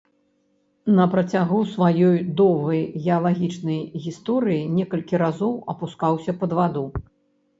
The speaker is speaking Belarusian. На працягу сваёй доўгай геалагічнай гісторыі некалькі разоў апускаўся пад ваду.